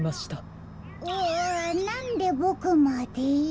うわなんでボクまで？